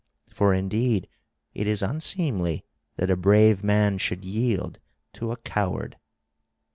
For indeed it is unseemly that a brave man should yield to a coward."